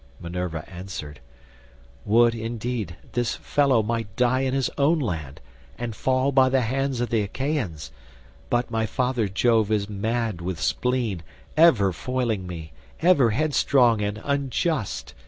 Minerva answered, "Would, indeed, this fellow might die in his own land, and fall by the hands of the Achaeans; but my father Jove is mad with spleen, ever foiling me, ever headstrong and unjust.